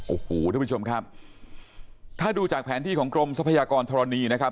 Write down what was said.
โอ้โหทุกผู้ชมครับถ้าดูจากแผนที่ของกรมทรัพยากรธรณีนะครับ